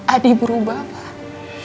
adi berubah pak